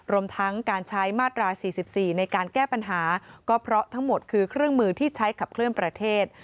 รวมทั้งการใช้มาตรา๔๔ในการแก้ปัญหาก็เพราะทั้งหมดคือเครื่องมือที่ใช้ขับเคลื่อนประเทศ